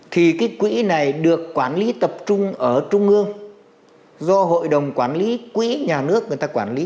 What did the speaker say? thì cái quỹ này được quản lý tập trung ở trung ương do hội đồng quản lý quỹ nhà nước người ta quản lý